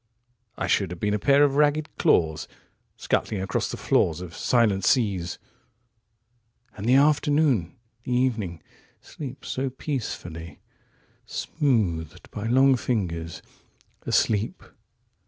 ...73I should have been a pair of ragged claws74Scuttling across the floors of silent seas. *75And the afternoon, the evening, sleeps so peacefully!76Smoothed by long fingers,77Asleep